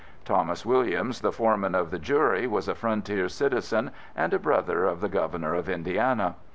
Thomas Williams, the foreman of the Jury, was a frontier citizen and a brother of the Governor of Indiana.